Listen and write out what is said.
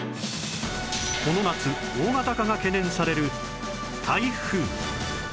この夏大型化が懸念される台風